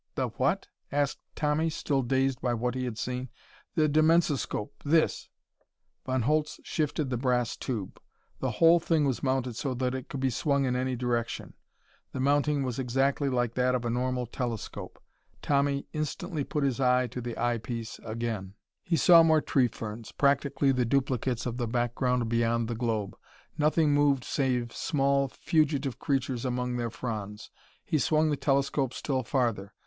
"The what?" asked Tommy, still dazed by what he had seen. "The dimensoscope. This." Von Holtz shifted the brass tube. The whole thing was mounted so that it could be swung in any direction. The mounting was exactly like that of a normal telescope. Tommy instantly put his eye to the eyepiece again. He saw more tree ferns, practically the duplicates of the background beyond the globe. Nothing moved save small, fugitive creatures among their fronds. He swung the telescope still farther.